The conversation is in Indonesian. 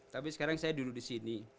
tapi sekarang saya duduk disini